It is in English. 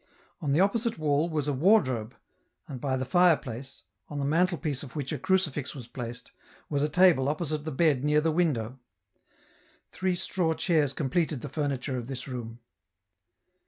On the opposite wall was a wardrobe, and by the fireplace, on the mantelpiece of which a crucifix was placed, was a table opposite the bed near the window ; three straw chairs completed the furni ture of this room.